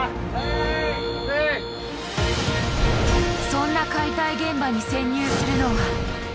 そんな解体現場に潜入するのは。